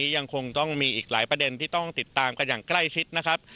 ก็ยังคงต้องมีอีกหลายประเด็นที่ต้องค่อยติดตามอย่างใกล้ชิด